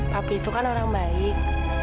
tapi itu kan orang baik